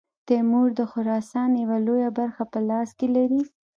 تیمور د خراسان یوه لویه برخه په لاس کې لري.